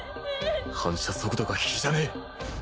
反射速度が比じゃねえ